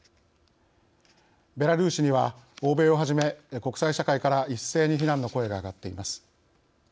ベラルーシには欧米をはじめ国際社会から一斉に非難の声が上がっています。